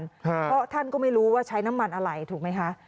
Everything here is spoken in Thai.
เพราะท่านก็ไม่รู้ว่าใช้น้ำมันอะไรถูกไหมคะ